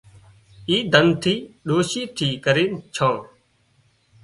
اِي ڌنَ ني ڏوشي ٿي ڪرينَ ڇان